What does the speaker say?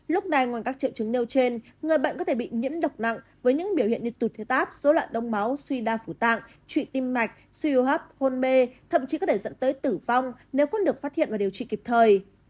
lúc này ngoài các triệu chứng nêu trên người bệnh có thể bị nhiễm độc nặng với những biểu hiện như tụt thứ táp số lợn đông máu suy đa phủ tạng trụy tim mạch suy hô hấp hôn mê thậm chí có thể dẫn tới tử vong nếu không được phát hiện và điều trị kịp thời